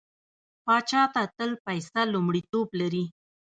پاچا ته تل پيسه لومړيتوب لري.